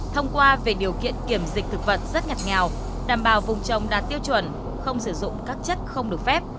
thông qua về điều kiện kiểm dịch thực vật rất ngặt nghèo đảm bảo vùng trồng đạt tiêu chuẩn không sử dụng các chất không được phép